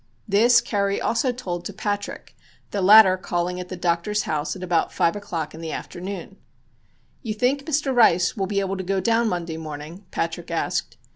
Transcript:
This Curry also told to Patrick, the latter calling at the doctor's house about five o'clock in the afternoon. "You think Mr. Rice will be able to go down Monday morning?" Patrick asked.